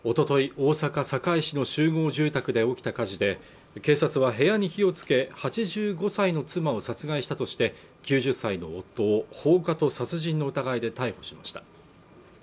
大阪堺市の集合住宅で起きた火事で警察は部屋に火をつけ８５歳の妻を殺害したとして９０歳の夫を放火と殺人の疑いで逮捕しました